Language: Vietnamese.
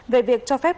về việc cho phép